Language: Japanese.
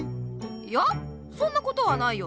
いやそんなことはないよ。